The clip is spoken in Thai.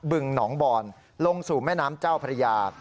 บึงหนองบอนลงสู่แม่น้ำเจ้าพระยา